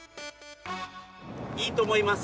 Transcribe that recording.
いいと思います。